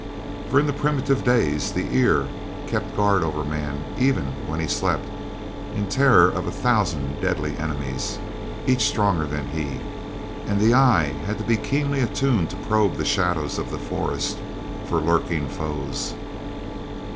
For in the primitive days the ear kept guard over man even when he slept in terror of a thousand deadly enemies, each stronger than he; and the eye had to be keenly attuned to probe the shadows of the forest for lurking foes.